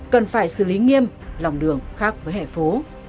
cần phải xử lý nghiêm lòng đường khác với hẻ phố